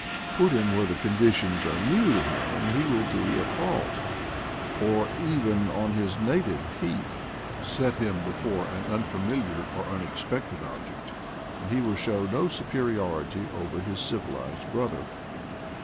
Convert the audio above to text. Put him where the conditions are new to 168 IDLE DAYS IN PATAGONIA him and he will be at fault; or, even on his native heath, set him before an unfamiliar or unexpected object, and he will show no superiority over his civilized brother.